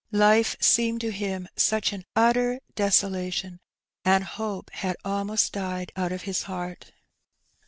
Life seemed to him such an utter deso lation, and hope had almost died out of his heart.